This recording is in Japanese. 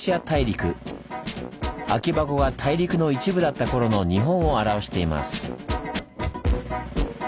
大陸空き箱が大陸の一部だったころの日本を表しています。